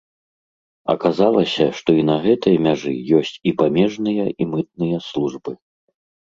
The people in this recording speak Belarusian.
Аказалася, што і на гэтай мяжы ёсць і памежныя, і мытныя службы.